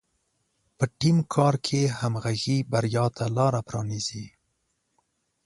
په ټیم کار کې همغږي بریا ته لاره پرانیزي.